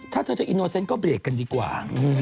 ถ้าเธอจะอินโนเซ็นต์ก็เบรกกันดีกว่า